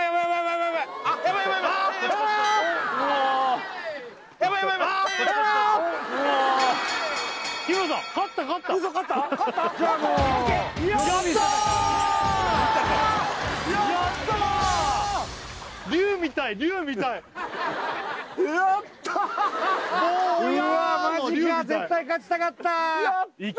マジか絶対勝ちたかった